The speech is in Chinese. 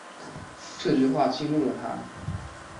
这句话激怒了他